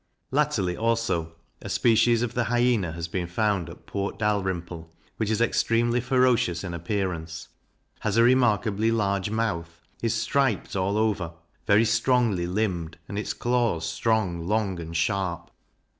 Latterly also, a species of the Hyena has been found at Port Dalrymple, which is extremely ferocious in appearance, has a remarkably large mouth, is striped all over, very strongly limbed, and its claws strong, long, and sharp.